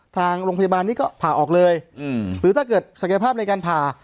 ทางโรงพยาบาลนี้ก็ผ่าออกเลยหรือถ้าเกิดศักยภาพในการผ่า